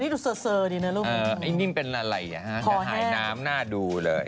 ดูเสอนิ่มเป็นอะไรหายน้ำน่าดูเลย